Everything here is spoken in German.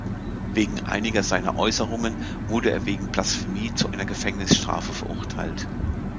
Wegen einiger seiner Äußerungen wurde er wegen Blasphemie zu einer Gefängnisstrafe verurteilt.